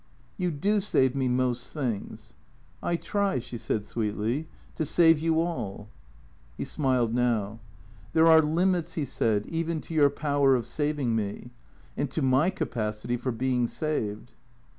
" You do save me most things." " I try," she said sweetly, " to save you ail." He smiled now. " There are limits," he said, " even to your power of saving me. And to my capacity for being saved."